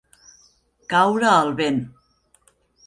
Caure el vent.